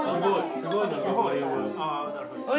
すごい！